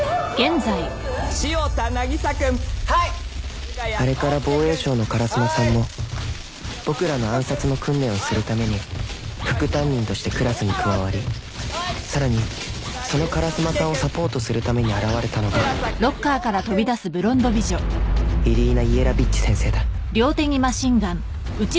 潮田渚君はいあれから防衛省の烏間さんも僕らの暗殺の訓練をするために副担任としてクラスに加わりさらにその烏間さんをサポートするために現れたのがイリーナ・イェラビッチ先生だ